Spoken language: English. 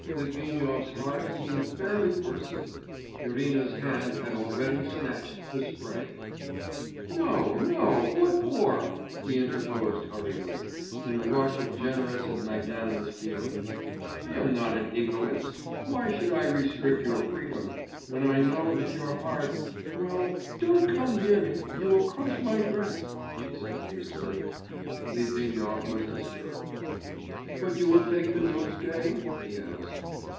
Litvinov's heart seemed fairly bursting. Irina's hand had already snatched the spray.... 'No, no, what for?' he interposed hurriedly, in a rush of generous and magnanimous feeling, 'I am not an egoist.... Why should I restrict your freedom ... when I know that your heart ' 'Well, don't come near me, you will crush my dress,' she said hastily. Litvinov was disturbed. 'But you will take the nosegay?' he asked.